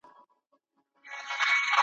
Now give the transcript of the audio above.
پر ملا دي کړوپ کړم زمانه خوار سې `